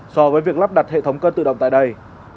so với việc lắp đặt hệ thống cân tự động tại đây